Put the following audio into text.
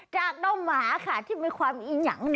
จากหน้าหมาค่ะที่มีความอิหยะง